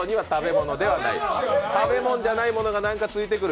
食べ物じゃないものが何かついてくる。